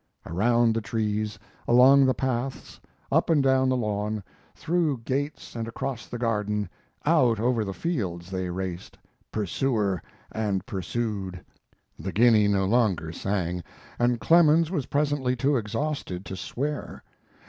Around the trees, along the paths, up and down the lawn, through gates and across the garden, out over the fields, they raced, "pursuer and pursued." The guinea nor longer sang, and Clemens was presently too exhausted to swear.